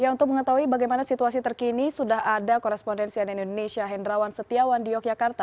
untuk mengetahui bagaimana situasi terkini sudah ada korespondensian indonesia hendrawan setiawan di yogyakarta